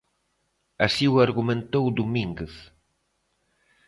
Así o argumentou Domínguez.